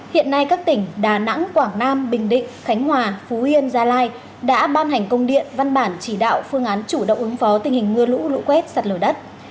hiện nay các tỉnh đà nẵng quảng nam bình định khánh hòa phú yên gia lai đã ban hành công điện văn bản chỉ đạo phương án chủ động ứng phó tình hình mưa lũ lũ quét sạt lở đất